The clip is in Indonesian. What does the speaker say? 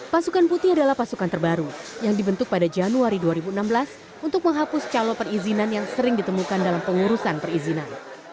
pasukan putih adalah pasukan terbaru yang dibentuk pada januari dua ribu enam belas untuk menghapus calon perizinan yang sering ditemukan dalam pengurusan perizinan